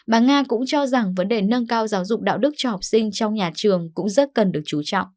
bà nga cũng cho rằng vấn đề nâng cao giáo dục đạo đức cho học sinh trong nhà trường cũng rất cần được chú trọng